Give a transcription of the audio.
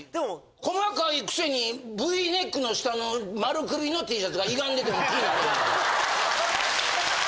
細かいくせにＶネックの下の丸首のＴシャツが歪んでても気になれへん。